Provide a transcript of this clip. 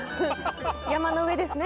山の上ですね。